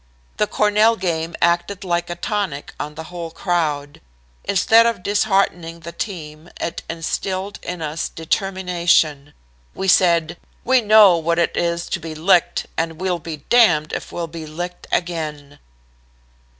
The Cornell game acted like a tonic on the whole crowd. Instead of disheartening the team it instilled in us determination. We said: "'We know what it is to be licked, and we'll be damned if we'll be licked again.'"